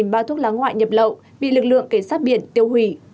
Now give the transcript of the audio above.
năm mươi bao thuốc lá ngoại nhập lậu bị lực lượng kể sát biển tiêu hủy